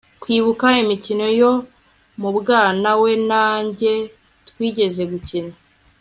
kwibuka imikino yo mu bwana we na njye twigeze gukina